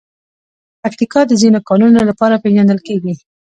پکتیکا د ځینو کانونو لپاره پېژندل کېږي.